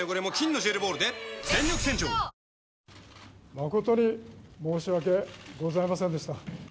誠に申し訳ございませんでした。